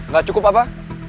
gak cukup apa